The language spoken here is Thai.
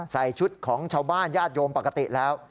ใส่ชุดของชาวบ้านญาติโยมปกติแล้ว